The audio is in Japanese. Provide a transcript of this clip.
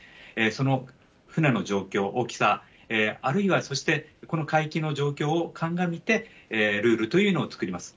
その船の状況、大きさ、あるいはそして、この海域の状況を鑑みて、ルールというのを作ります。